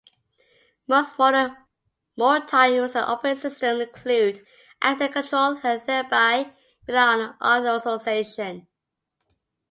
Most modern, multi-user operating systems include access control and thereby rely on authorization.